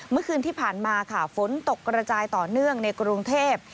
เมื่อคืนที่ผ่านมาค่ะฝนตกกระจายต่อเนื่องในกรุงเทพ